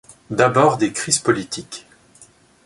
D'abord des crises politiques.